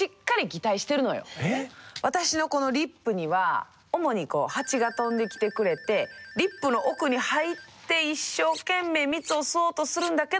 私のこのリップには主にハチが飛んで来てくれてリップの奥に入って一生懸命蜜を吸おうとするんだけど私ね